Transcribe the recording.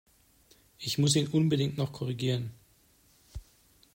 Ich muss ihn unbedingt noch korrigieren!